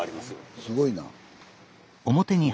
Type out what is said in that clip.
すごいな。